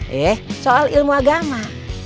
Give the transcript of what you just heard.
yeh soal ilmu agama